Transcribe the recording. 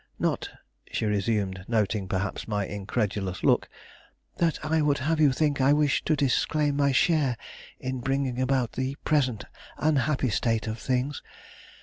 Not," she resumed, noting, perhaps, my incredulous look, "that I would have you think I wish to disclaim my share in bringing about the present unhappy state of things.